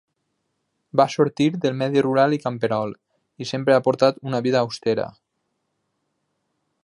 Va sortir del medi rural i camperol i sempre ha portat una vida austera.